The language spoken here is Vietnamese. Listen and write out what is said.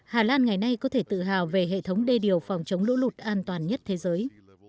hà lan ngày nay có thể tự hào về hệ thống đê điều phòng chống lũ lụt an toàn nhất thế giới